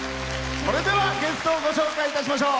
それではゲストをご紹介いたしましょう。